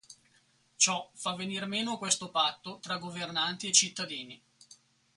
Ciò fa venir meno questo patto tra governanti e cittadini.